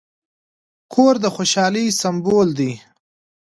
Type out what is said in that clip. کور د خوشحالۍ سمبول دی.